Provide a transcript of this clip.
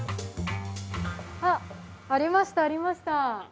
あ、ありました、ありました